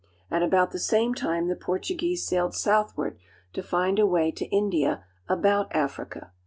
At about the same time the Portuguese sailed southward to find a way to India about Africa.